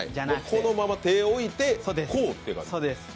このまま手を置いて、こうって感じですか？